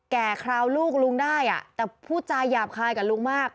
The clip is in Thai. แก่คราวลูกลุงได้อ่ะแต่ผู้ชายหยาบคายกับลุงมาก